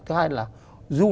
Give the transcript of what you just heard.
thứ hai là du lịch